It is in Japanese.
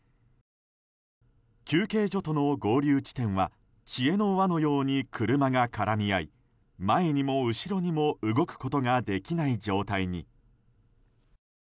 休憩場との合流地点は知恵の輪のように車が絡み合い前にも後ろにも動くことができない状態に。